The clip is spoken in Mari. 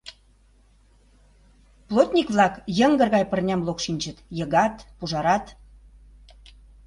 Плотник-влак йыҥгыр гай пырням локшинчыт, йыгат, пужарат.